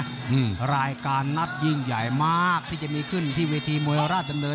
รายการรายการนัดยิ่งใหญ่มากที่จะมีขึ้นที่เวทีมวยราชเซียนเดิน